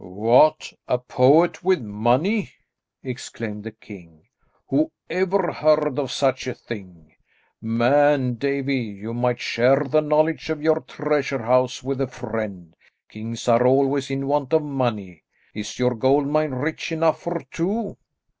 "What, a poet with money!" exclaimed the king. "Who ever heard of such a thing? Man Davie, you might share the knowledge of your treasure house with a friend. Kings are always in want of money. Is your gold mine rich enough for two?"